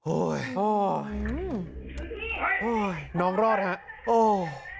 โอ้ยโอ้ยว้อ้อยยยน้องลอดฮะโอ้ย